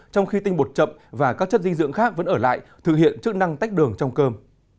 trong khi tinh bột chậm và các chất dinh dưỡng khác vẫn ở lại thực hiện chức năng tách đường trong cơm